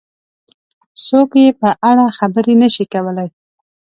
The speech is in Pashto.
څوک یې په اړه خبرې نه شي کولای.